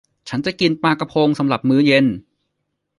ฉันจะกินปลากระพงสำหรับมื้อเย็น